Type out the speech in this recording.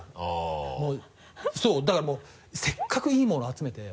もうそうだからもうせっかくいいものを集めて。